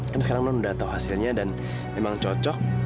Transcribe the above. kan sekarang non udah tau hasilnya dan emang cocok